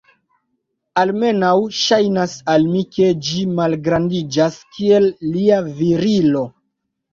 Almenaŭ, ŝajnas al mi ke ĝi malgrandiĝas, kiel lia virilo.